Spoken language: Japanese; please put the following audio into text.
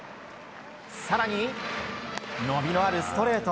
更に、伸びのあるストレート。